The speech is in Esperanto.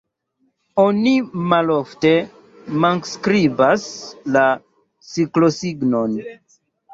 Oni malofte manskribas la siklosignon.